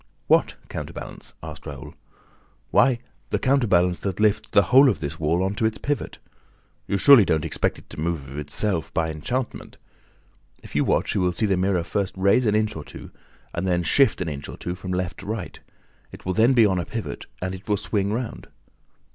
"What counterbalance?" asked Raoul. "Why, the counterbalance that lifts the whole of this wall on to its pivot. You surely don't expect it to move of itself, by enchantment! If you watch, you will see the mirror first rise an inch or two and then shift an inch or two from left to right. It will then be on a pivot and will swing round."